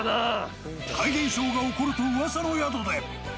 怪現象が起こると噂の宿で。